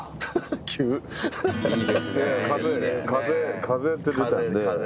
風って出たんで。